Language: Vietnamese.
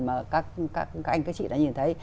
mà các anh các chị đã nhìn thấy